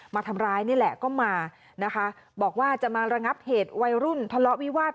มาทำร้ายนี่แหละก็มานะคะบอกว่าจะมาระงับเหตุวัยรุ่นทะเลาะวิวาส